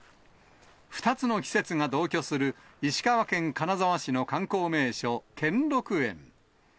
２つの季節が同居する石川県金沢市の観光名所、兼六園。